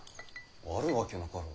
あるわけなかろう。